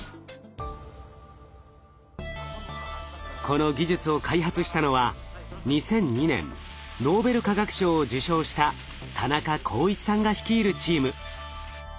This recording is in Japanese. この技術を開発したのは２００２年ノーベル化学賞を受賞した田中耕一さんが率いるチーム。